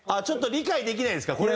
ちょっと理解できないんですか？